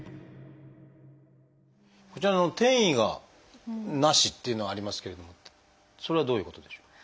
こちら転移がなしっていうのがありますけれどもそれはどういうことでしょう？